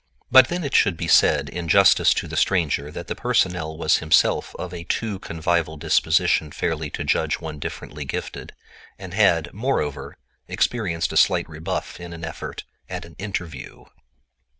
But then it should be said in justice to the stranger that the personnel was himself of a too convivial disposition fairly to judge one differently gifted, and had, moreover, experienced a slight rebuff in an effort at an "interview."